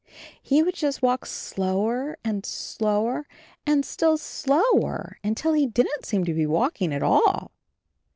He would just walk slower and slower and still slower until he didn't seem to be walking at all.